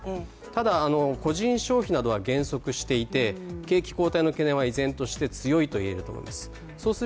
ただ個人消費などは減速していて景気後退の懸念は、依然として強いと言えると思います。